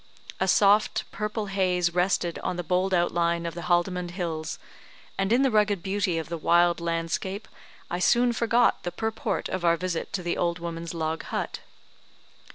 A soft purple haze rested on the bold outline of the Haldimand hills, and in the rugged beauty of the wild landscape I soon forgot the purport of our visit to the old woman's log hut.